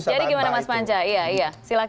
jadi gimana mas manja iya iya silahkan